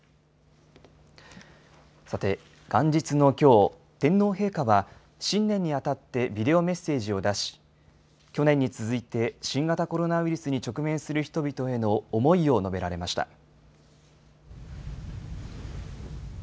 さて、元日のきょう、天皇陛下は、新年にあたってビデオメッセージを出し、去年に続いて新型コロナウイルスに直面する人々への思いを述べられました。